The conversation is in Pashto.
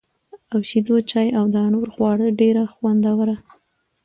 او شېدو چای او دانور خواړه ډېره خوندوره